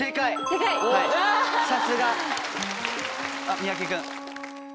三宅君。